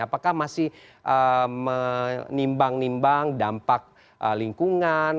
apakah masih menimbang nimbang dampak lingkungan